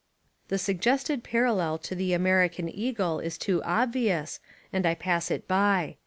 The suggested parallel to the American eagle is too obvious, and I pass It by.